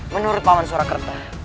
menurut paman surakerta